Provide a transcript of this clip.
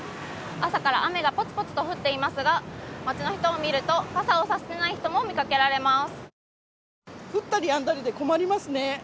朝から雨がポツポツと降っていますが街の人を見ると傘を差していない人も見かけられます。